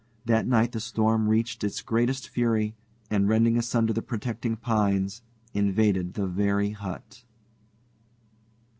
That night the storm reached its greatest fury, and, rending asunder the protecting pines, invaded the very hut.